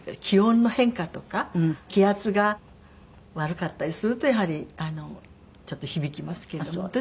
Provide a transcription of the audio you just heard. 気温の変化とか気圧が悪かったりするとやはりちょっと響きますけども。